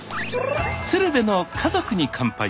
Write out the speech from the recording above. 「鶴瓶の家族に乾杯」。